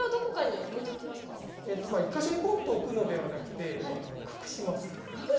１か所にポンと置くのではなくて隠す？